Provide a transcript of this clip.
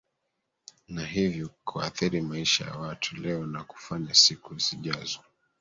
na hivyo kuathiri maisha ya watu leo na kufanya siku zijazo